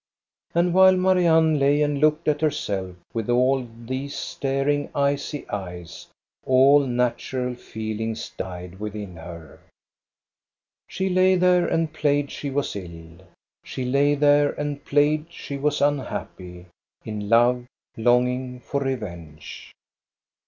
And while Marianne lay and looked at herself with all these staring icy eyes, all natural feelings died within her. She lay there and played she was ill ; she lay there 142 THE STORY OF GOSTA BE RUNG and played she was unhappy, in love, longing for revenge.